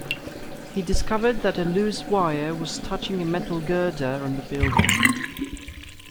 He discovered that a loose wire was touching a metal girder on the building.